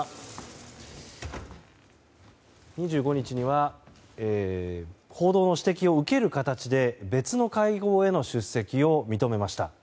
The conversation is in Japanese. ２５日には報道の指摘を受ける形で別の会合への出席を認めました。